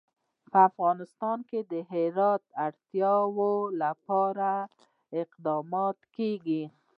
په افغانستان کې د هرات د اړتیاوو لپاره اقدامات کېږي.